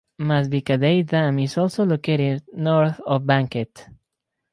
Mazvikadei Dam is also located north of Banket.